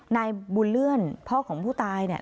นายบุญเลื่อนพ่อของผู้ตายเนี่ย